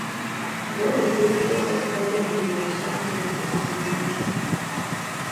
Уэ уи дежкӀэ сэ схуэдэ мы дуней псом темыту къыщӀидзынущ.